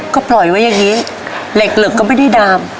ก็ปล่อยไว้อย่างนี้เหล็กก็ไม่ได้ดาม